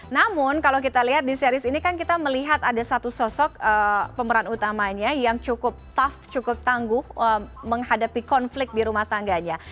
namun kalau kita lihat di series ini kan kita melihat ada satu sosok pemeran utamanya yang cukup tough cukup tangguh menghadapi konflik di rumah tangganya